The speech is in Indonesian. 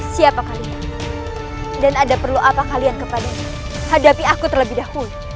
siapa kalian dan ada perlu apa kalian kepada hadapi aku terlebih dahulu